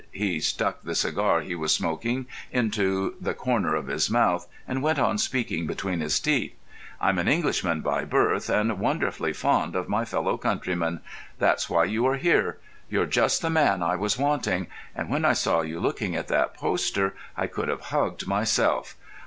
He stuck the cigar he was smoking into the corner of his mouth and went on speaking between his teeth. "I'm an Englishman by birth, and wonderfully fond of my fellow countrymen. That's why you are here. You're just the man I was wanting, and when I saw you looking at that poster I could have hugged myself.